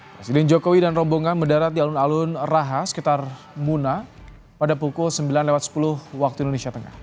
presiden jokowi dan rombongan mendarat di alun alun raha sekitar muna pada pukul sembilan sepuluh waktu indonesia tengah